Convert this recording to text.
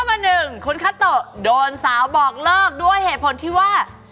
มา๑คุณคาโตะโดนสาวบอกเลิกด้วยเหตุผลที่ว่า